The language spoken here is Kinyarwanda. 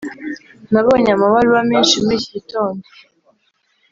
nabonye amabaruwa menshi muri iki gitondo.